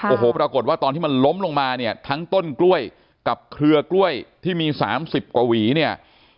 โอ้โหปรากฏว่าตอนที่มันล้มลงมาเนี่ยทั้งต้นกล้วยกับเครือกล้วยที่มี๓๐กว่าหวีเนี่ย